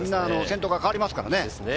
先頭が変わりますからね。